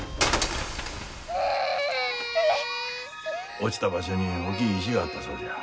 落ちた場所に大きい石があったそうじゃ。